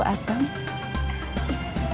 kasian atuh atem